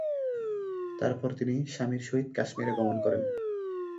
তারপর তিনি স্বামীর সহিত কাশ্মীরে গমন করেন।